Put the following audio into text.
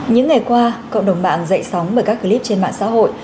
những ngày qua cộng đồng mạng dậy sóng bởi các clip trên mạng xã hội